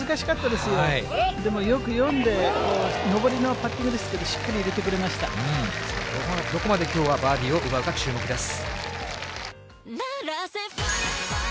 でも、よく読んで、上りのパッティングですけど、しっかり入れてどこまできょうはバーディーを奪うか、注目です。